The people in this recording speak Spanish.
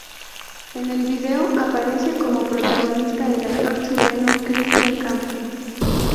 En el video aparece como protagonista el actor Chileno Cristian Campos.